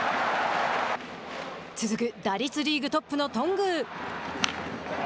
続く打率リーグトップの頓宮。